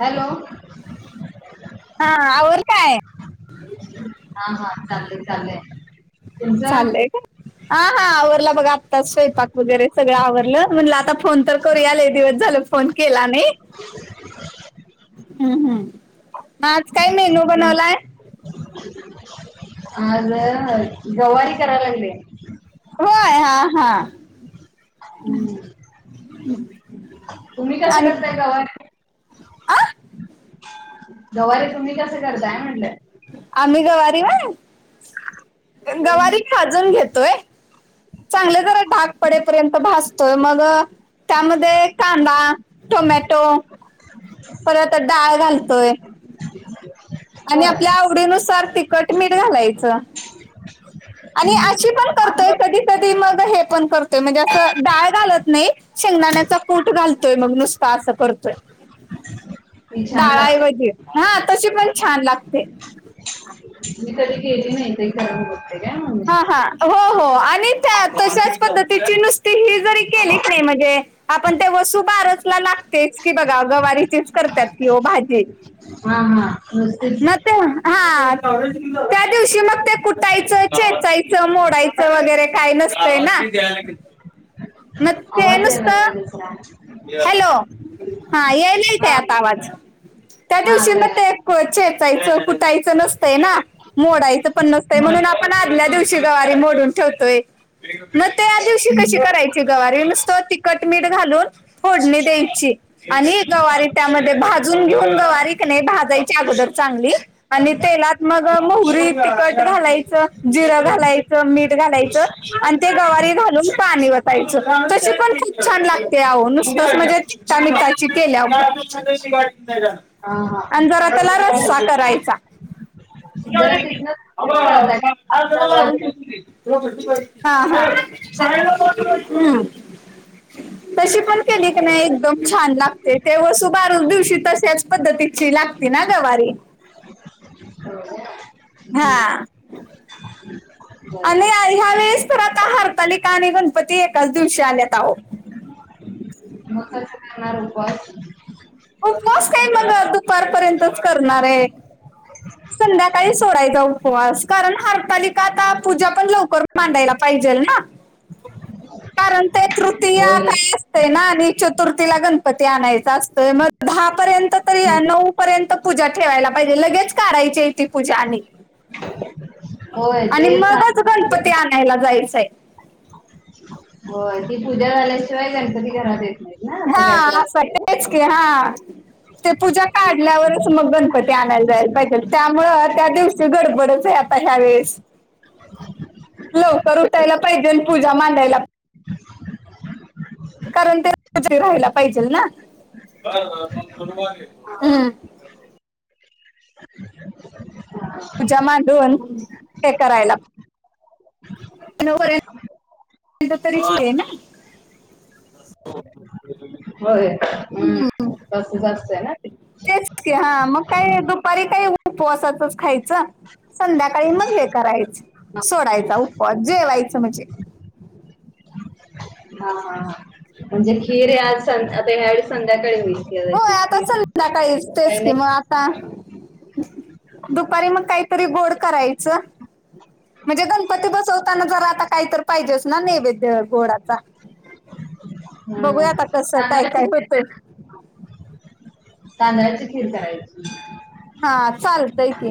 Hello. हां. आवरल काय? हा.. हा.. चाललंय चाललंय. तुमचं चालंय काय? हा.. हा.. आवरला बघा आत्ताच स्वयंपाक वगैरे, सगळं आवरलं म्हटलं, आता फोन तर करूया लै दिवस झालं. फोन केला नाई. [inaudible] हम हम. [inaudible] आज गवारी कराया लागलोय. व्हयं, हा.. हा.. हम.. तुम्ही कसं आणि करताय गवारी. आ.. गवारी तुम्ही कस करताय म्हणलं? आम्ही गवारी व्हयं. गवारी. भाजून घेतोय, चांगलं जरा डाग पडेपर्यंत भाजतोय. मग त्यांमध्ये कांदा टोमॅटो परत डाळ घालतोय. [inaudible] आणि होय आपल्या आवडीनुसार तिखट मीठ घालायचं. आणि अशी पण करतोय. कधी कधी मग हे पण करतोय म्हणजे असं डाळ घालत नाही. शेंगदाण्याचा कुट घालतोय, मग नुसता असं करतोय. ती छान लागते डाळाऐवजी हा तशी पण छान लागते. मी कधी गेली नाही तरी, करुन बघते घ्या. हा हा हो.. हो.. आणि त्या तशाच पद्धतीची नुसती. ही जरी केली कणी म्हणजे, आपण ते वसुबारसला लागतेच की, बघा गवारीचीच करत्यात की हो भाजी. हां हां.. नुसतीचं. हां.. त्या दिवशी मग ते, कुटायचं चेचायचं मोडायचं. वगैरे काही नसतंय ना. मग ते आवाज नुसत, यायला लागला दुसरा हॅलो.. यायले हा काय. आवाज. त्या हा दिवशी मग तयार ते को चेचायचं कुटायच नसतंय ना, मोडायच पण नसतंय हा म्हणून आपण. आपण आदल्या दिवशी गवारी मोडून ठेवतोय. मग त्या दिवशी कशी हम्म. करायची. गवारी नुसती तिखट मीठ घालून फोडणी द्यायची. आणि गवारी त्यांमध्ये, भाजून घेऊन गवारी कणी भाजायची. च्या अगोदर चांगली. आणि तेलात मग मोहरी तीखट घालाय चं जिरं घालायचं, मीठ घालायचं आणि ते, गवारी घालून पाणी वता तायचं तशी पण खूप छान लागते. आहो नुसताच म्हणजे [unintelligible] [unintelligible] आ.. हा.. आणि जरा त्याला जरा रस्सा जरा तिथनं करायचा. तिथं जाता का? [unintelligible] आवाज हा.. हा.. हम्. तशी पण केली कणी, एकदम छान लागते. ते वसुबारस दिवशी तशाच, पद्धतीची लागते ना गवारी. हो काय. हां.. आ बरं नई ह्या वेळेस तर आता हरतालीका आणि गणपती एकाच दिवशी आल्यात आवो मग कसं करणार उपवास? उपवास काय मग दुपारपर्यंतच करणार ये [unintelligible] काई सोडायचा उपवास कारण हरतालिका आता पूजा पण लवकर मांडायला पाहिजेल ना? हो. कारण ते तृतीया होय रे. काय असतय ना आणि चतुर्थीला गणपती आणायचा असतोय मग दहा पर्यंत तरी अ नऊ पर्यंत पूजा ठेवायला पाहिजे लगेच काढायचीय ती पूजा आणि होय आणि तेच मगच गणपती आणायला जायचाय. [inaudible] होय ती पूजा झाल्याशिवाय गणपती घरात येत नई. हा असा तेच की हा ते पूजा काढल्यावरच मग गणपती आणायला जायला पाहिजेल त्यामुळ त्या दिवशी गडबडच आहे आ ता ह्या वेळेस लवकर उठायला पाहिजेल पूजा मांडायला [inaudible] कारण ते [unintelligible] राहायला पाहिजे ना [unintelligible] हम्म [inaudible] पूजा मांडून ते करायला नऊ पर्यंत त तरी ना. होय हम्म तसच असतय ना ते तेच की हा मग काय हम्म. दुपारी काय उ उपवासाच च खायचं संध्याकाळी मग हे करायचं. सोडायचा उपवास जेवायचं म्हजे हा हा हा. म्हणजे खीर हे आज सन आता यावेळी संध्याकाळी होईल. हो [unintelligible] ची खीर काय नाई ता दुपारी मग कायतरी गोड करायचं. म्हणजे गणपती बसवताना जरा आता काय तर पाहिजेच ना नैवेद गोडाचा ह [inaudible] हा हा. कसं काय तांदळाची काय होतंय. तांदळाची खीर करायची. हा चालतय की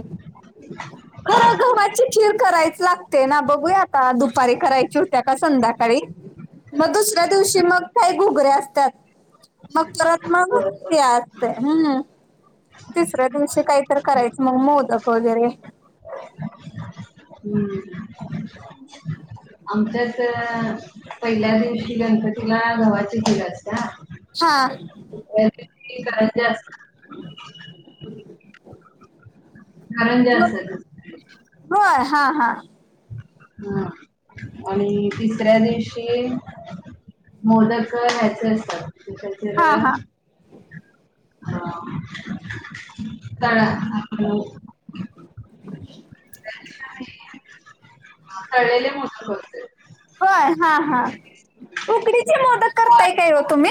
खरं गव्हाची खीर करायच लागतय ना, बघूया आता दुपारी करायची हुत्या का संध्याकाळी मग दुसऱ्या दिवशी मग काय घुगऱ्या असत्यात. मग परत मग होय होय. [unintelligible] असते हम्म तिसऱ्या दिवशी कायतर करायचं मंग मोदक वगैरे [inaudible] हम्म. आमच्याच अ पहिल्या दिवशी गणपतीला गव्हाची खीर असत्या. हा. दुसऱ्या [unintelligible] करंजा मग असर. होय हा हा हा. आणि तिसऱ्या दिवशी मोदक ह्याचे हा हा असतात [unintelligible] हा [unintelligible] [inaudible] तळलेले मोदक करतोय. होय हा हा, उकडीचे मोदक वाळ करताय काय ओ तुमी?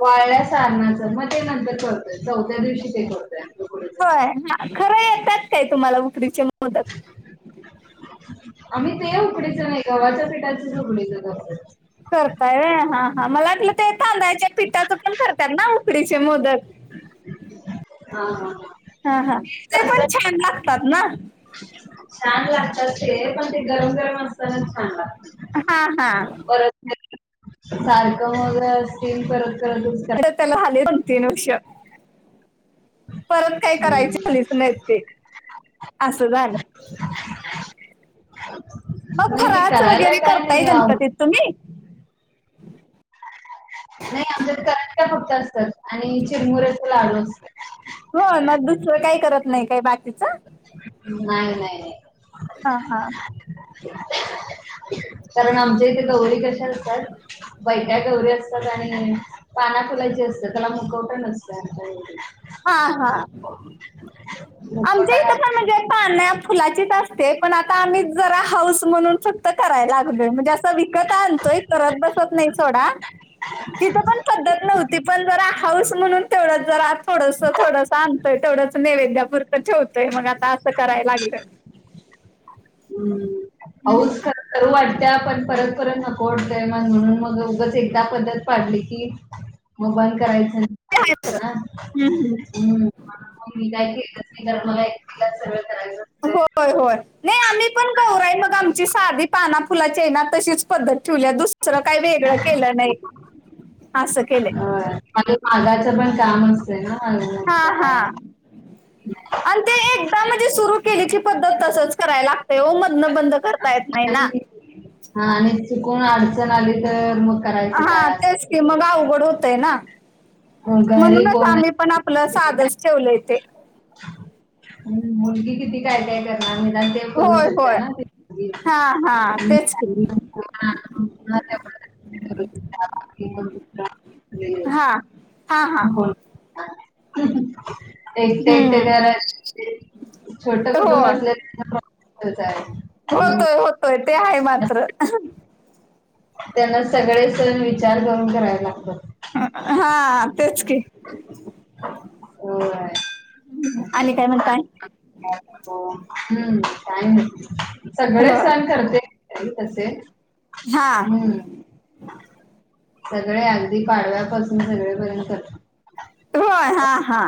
वाळ्या सारणाच म ते नंतर करतोय, चौथ्या दिवशी ते करतोय उकडी [unintelligible] खरं येत्यात काय तुम्हाला उकडीचे मोदक? आम्ही ते उकडीच नाही, गव्हाच्या पिठाचेच उकडीच करतोय. करताय होय मला वाटल ते तांदच्या पिठाच पण करतात ना उकडीचे मोदक. हा हा! हा हा ते पण छान लागतात ना? छान लागतात ते पण ते गरम गरम असताना छान लाग हा हा परत सारखं वगैरे असतील करत करतच त्याला झाली दोन तीन वर्ष. परत काही करायच हम्म झालीच नाहीत ते असं झालं. [unintelligible] [inaudible] मग ते फराळाचं करायला वगैरे काय करताय नाही गणपती नाही तुम्ही? नाही आमच्यात करंजा फक्त असतात आणि चिरमुऱ्याचा लाडू असतो. हो मग दुसरं काही करत नाही काही बा नाय नाय. हा हा कारण आमच्या इथे गौरी कशा असतात बैट्या गौरी असतात आणि पाना फुलाची असतं त्याला मुकवटं नसतं आमच्या इकडे. हा हा आमच्या मुखवटा हित घाल पण म्हणजे पाना फुलाचीच असते पण आता आम्ही जरा हाऊस म्हणून फ क्त करायला लागलोय म्हणजे असं विकत आणतोय करत बसत नाही सोडा. तिथं पण पद्धत नव्हती पण जरा हाऊस म्हणून तेवढ जरा थोडस थोडस आणतोय तेथवडंच नैवेद्यापुरत ठेवतोय मग आता असं कराय लागलो. हम्म हम्म. हाऊस करू वाटत्या पण परत परत नको वाटतय म्हणून मग उगच एकदा पद्धत पाडली की मग बंद करायचं नाय ते आस आहे होतय खरं. ना हम्म. मी काही केलच नाही कारण मला एकटीलाच सगळं करायचं असतंय. होय होय नाही आम्ही पण गौराई मग आमची सादी पानना फुलाची आहे ना तशीच पद्धत ठेवलीया दुसरं काही वेगळं केलं नाही असं केलंय. मागाच पण काम तंय ना. हा मोठं हा! [inaudible] आणि ते एकदा म्हणजे सुरु केली की पद्धत तसच करायला लागतय ओ मधनं बंद कर ता येत नाही ना. आणि हा आणि चुकून अडचण आली तर मग करायचं हा काय असं तेच की होतंय. मग अवघड होतय ना. मग घरी म्हणूनच कोण आम्ही पण नाही. आपलं साधच ठेवलंय तेे. हम्म मुलगी किती काय काय करणार निदान ते करू होय होय शक्तीया ना हा हा तेच की [unintelligible] हा हा हा हो एकट एकट हम्म घरात छोट कुटुंब होय असल की प्रॉब्लेमच आहे. होय ते आहे मात्र. त्यांन सगळे सण विचार करून करायला लागतात. हा तेच की! होय! आणि काय म्हणताय? हम्म काही नाही, सगळे होय सण करते. काही तसे, हा हम्म सगळे अगदी पाडव्यापासून सगळेपर्यंत करते. होय हा हा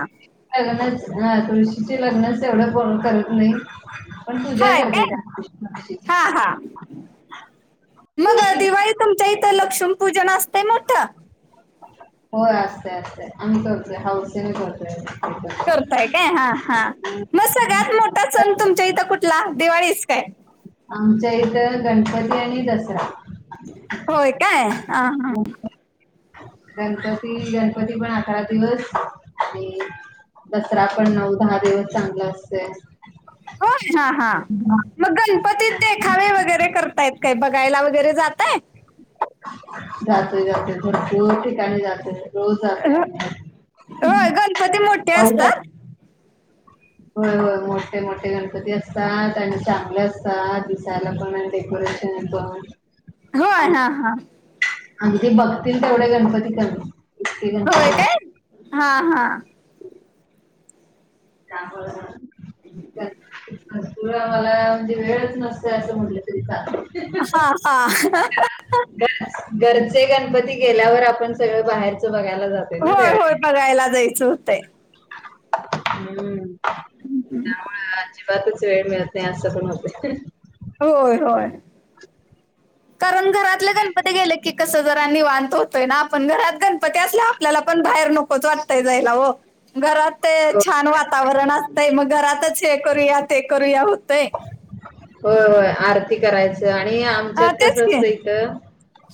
लग्नाच हं तुळशीचे लग्नाच तेवढं कोण करत नाही. पण पुजा हाय करते, काय त्या दिवशी तुळशीची. हा हा मग तुळशीची दिवाळीत तुमच्या इथं लक्ष्मीपूजन असतय मोठं, होय [inaudible] असतय असतय आम्ही करतोय हौसेन करतोय. करतय काय हा हा मग सगळ्यात मोठा सण तर तुमच्या इथं कुठला दिवाळीच काय? आमच्या इथ गणपती आणि दसरा होय काय ह ह गणपती गणपती पण अकरा दिवस आणि दसरा पण नऊ, दहा दिवस चांगला असतोय. होय हा हा हा मग गणपतीत देखावे वगैरे करता येत काय? बघायला वगैरे जाताय. [inaudible] जातोय जातोय भरपूर ठिकाणी जातोय. रोज जातोय हो- आम्ही होय गणपती मोठे असतात पावसात [inaudible] होय होय मोठे, मोठे गणपती असतात. आणि चांगले असतात दिसायला, पण आणि डेकोरेशन ते नी पण होय हा हा अगदी बघतील तेवढे गणपती कमी इतके गणपती होय आहेत काय? हा हा त्यामुळं [inaudible] भरपूर आम्हाला म्हणजे वेळच नसते असं म्हणूया. तरी जातोय हा हा [unintelligible] घरच घरचे गणपती गेल्यावर आपण सगळं बाहेरच बघायला जातोय ना होय होय त्यावेळी, बघायला जायचं होतंय. हम्म हम् हम अजिबातच वेळ मिळत नाही असं पण होतय. होय होय कारण घरातले गणपती गेले की, कसं जरां निवांत होतोय ना आपण घरात गणपती असल्या आपल्याला पण बाहेर नकोच वाटताय जायला हो घरात ते छान वातावरण असतंय मग घरातच हे करूया ते करूया होतंय होय होय आरती करायचं आणि आ.. हा आमच्यात तेच कसं की असतंय इथं,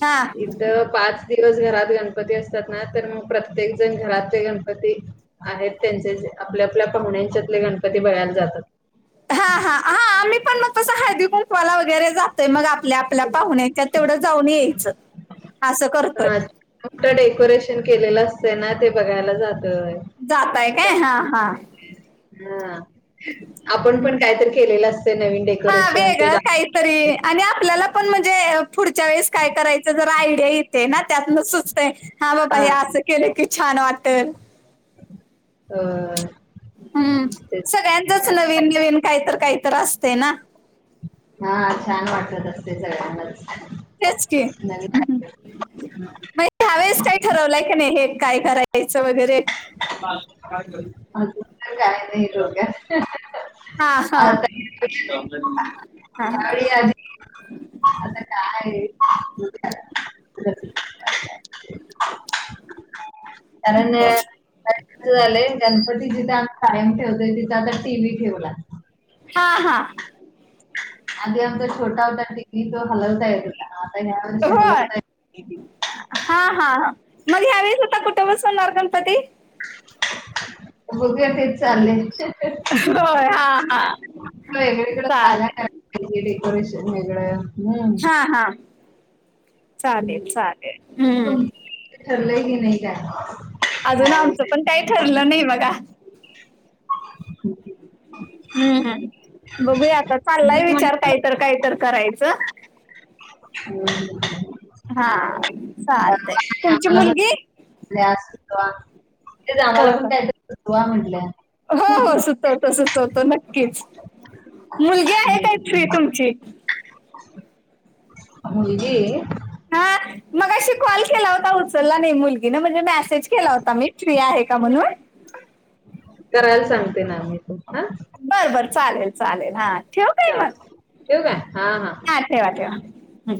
हा इथं पाच दिवस घरात गणपती असतात ना तर मग प्रत्येक जण घरात ते गणपती आहेत त्यांचे आपल्या, आपल्या पाहुण्यांच्यातले गणपती बघयायला जातात. हा हा हा आम्ही पण मग तसं हळदी कुंकवाला वगैरे जातोय. मग आपल्या आपल्या पाहुण्याच्या तेवढं जाऊन यायचं. असं करतोय. हा मोठं डेकोरेशन केलेलं असतं ना ते बघायला जातोय. होय जाताय काय? हां हां हां आपण पण कायतरी केलेलं असत नवीन डे हा वेगळं काही तरी आणि आपल्याला पण म्हणजे पुढच्या वेळेस काय करायचं जर आयडिया येते ना त्यातन हां बाबा हा हे असं केलं की छान वाटल आ.. हम्म सगळ्यांचच नवीन नवीन काहीततर काहीतर असते ना हां छान वाटत असते सगळ्यांनाच तेच की नवीन ह्यावेळेस काय ठरवलंय का नाही हे काय करायचं वगैरे अजून तर काही नाही डोक्यात हां हां आता हा यावेळी आधी आता काय? कारण कारण झाले गणपती जिथे आ कायम ठेवतोय तिथे आता टी व्ही ठेवला हां हां आधी आमचा छोटा होता टी. व्ही तो हलवता येत होता आता ह्या वर्षी हलवता य हां हां ह मग ह्यावेेळेस होता कुठे बसवणार गणपती बघूया तेच चालंय होय हां हां चालतयं का डेकोरेशन वेगळं हम्म. हां हां चालेल चालेल हम्म ते ठरलंय की नाही का? अजून आमचं पण काही ठरलं नाही बघा ह हम्म हम्म बघूया आता चाललाय विचार कायतर कायतर करायचं हम हां चालतंय आहे तुमची मुलगी ज सुचवा जाण्याला होय पण होय. का सुचवा म्हटलं हो हो सुचवतो सुचवतो नक्कीच मुलगी आहे काय? फ्री तुमची मुलगी हां मगाशी अशी कॉल केला होता उचलला नाही मुलगी ना म्हणज मेसेज केला होता मी फ्री आहे का? म्हणून करायला सांगते ना मी तू हां बरं बरं चालेल चालेल हां ठीवू का? आहे हां हां हंं ठेवा ठेवा